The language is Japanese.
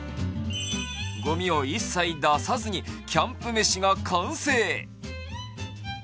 ごみを一切出さずにキャンプ飯が完成。